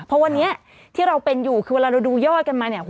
เพราะวันนี้ที่เราเป็นอยู่คือเวลาเราดูยอดกันมาเนี่ย